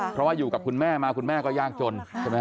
เพราะว่ายูกับคุณแม่มาคุณแม่ก็ยากจน